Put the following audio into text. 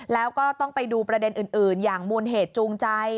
แล้วก็ต้องไปดูประเด็นอื่นอย่างมูลเหตุจูงใจ